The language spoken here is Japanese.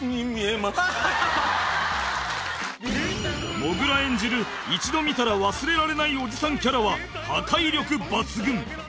もぐら演じる一度見たら忘れられないおじさんキャラは破壊力抜群